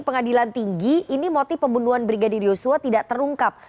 pengadilan tinggi ini motif pembunuhan brigadir yosua tidak terungkap